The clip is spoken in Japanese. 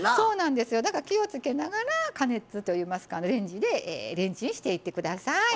だから気をつけながら加熱といいますかレンジでレンチンしていって下さい。